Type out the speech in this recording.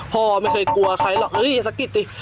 พ่อไม่เคยกลัวใครหรอกเฮ้ยสะกิดสิ